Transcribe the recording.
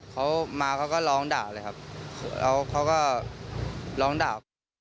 เขามาเขาก็ร้องด่าเลยครับแล้วเขาก็ร้องด่า